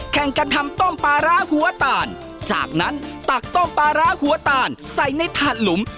แข่งกันทำต้มปลาร้าหัวตาลจากนั้นตักต้มปลาร้าหัวตาลใส่ในถาดหลุม